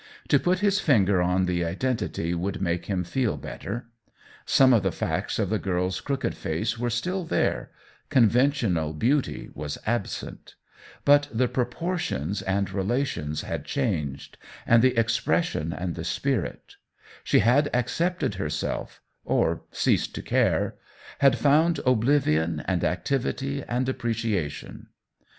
To put his finger on the identity would make him feel better. Some of the facts of the girPs crooked face were still there — conventional beauty was absent ; but the proportions and relations had changed, and the expression and the spirit ; she had accepted herself or ceased to care — had found oblivion and activity and appreci ation.